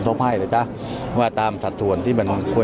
ตราบใดที่ตนยังเป็นนายกอยู่